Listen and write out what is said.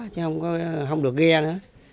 chứ không được ghe nữa